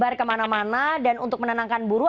masih itu tidak melebar kemana mana dan untuk menenangkan buruh